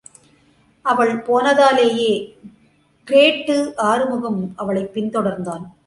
அவள் போனதாலயே, கிரேட் டு ஆறுமுகமும், அவளை பின் தொடர்ந்தான்.